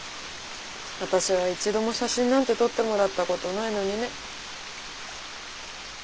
私は一度も写真なんて撮ってもらったことないのにね。